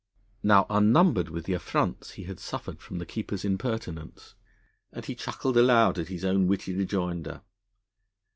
Now, unnumbered were the affronts he had suffered from the Keeper's impertinence, and he chuckled aloud at his own witty rejoinder.